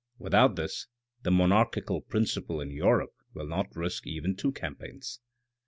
Without this, the monarchical principle in Europe will not risk even two campaigns.